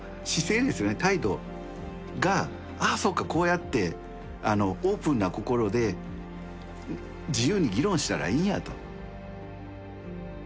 態度が「ああそうかこうやってオープンな心で自由に議論したらいいんや」と。